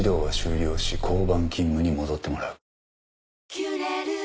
「キュレル」